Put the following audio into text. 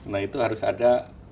nah itu harus ada